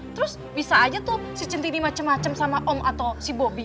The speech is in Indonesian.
terus bisa aja tuh si centini macem macem sama om atau si bobby